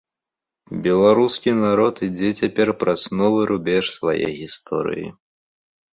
Беларускі народ ідзе цяпер праз новы рубеж свае гісторыі.